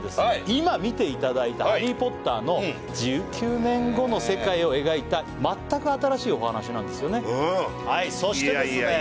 今見ていただいたハリー・ポッターのを描いた全く新しいお話なんですよね